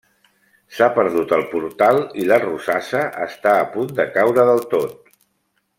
S'ha perdut el portal i la rosassa està a punt de caure del tot.